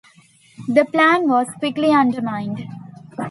The plan was quickly undermined.